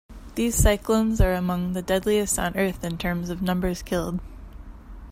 These cyclones are among the deadliest on earth in terms of numbers killed.